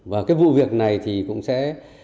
và cái vụ việc này thì cũng sẽ